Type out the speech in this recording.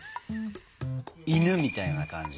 犬みたいな感じの。